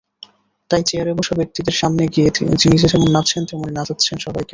তাই চেয়ার বসা ব্যক্তিদের সামনে গিয়ে নিজে যেমন নাচছেন, তেমনি নাচাচ্ছেন সবাইকে।